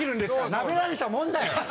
なめられたもんだよ！